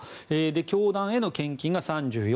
教団への献金が３４．２％